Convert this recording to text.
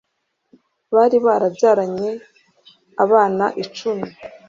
bari barabyaranye abana icumi